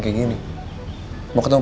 kayak gini mau ketemu